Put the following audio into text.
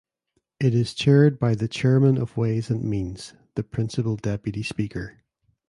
It is chaired by the Chairman of Ways and Means (the principal Deputy Speaker).